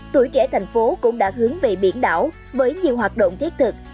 tuổi trẻ thành phố cũng đã hướng về biển đảo với nhiều hoạt động thiết thực